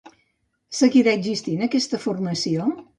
Seguirà existint aquesta formació?